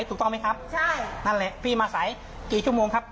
ถูกต้องไหมครับใช่นั่นแหละพี่มาสายกี่ชั่วโมงครับ